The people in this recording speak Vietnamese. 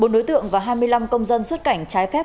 bốn đối tượng và hai mươi năm công dân xuất cảnh trái phép